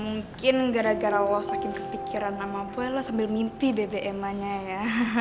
mungkin gara gara lo saking kepikiran sama boy lo sambil mimpi bebe em anya ya